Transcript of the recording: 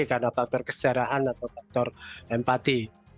karena faktor kesejarahan atau faktor empati